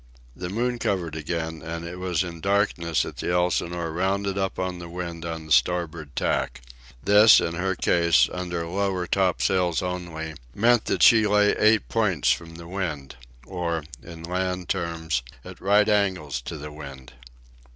The moon covered again, and it was in darkness that the Elsinore rounded up on the wind on the starboard tack. This, in her case, under lower topsails only, meant that she lay eight points from the wind, or, in land terms, at right angles to the wind.